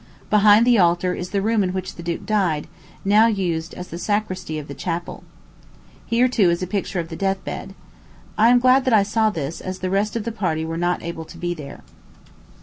Behind the altar is the room in which the duke died, now used as the sacristy of the chapel. Here, too, is a picture of the death bed. I am glad that I saw this, as the rest of the party were not able to be there.